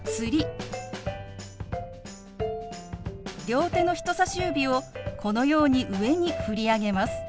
両手の人さし指をこのように上に振り上げます。